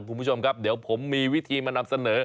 คุณผู้ชมครับเดี๋ยวผมมีวิธีมานำเสนอ